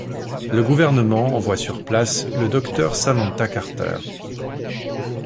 Le gouvernement envoie sur place le docteur Samantha Carter…